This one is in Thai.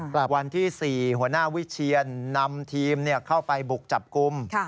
วันที่๔หัวหน้าวิเชียนนำทีมเข้าไปบุกจับกลุ่ม